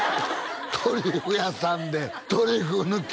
トリュフ屋さんでトリュフ抜き？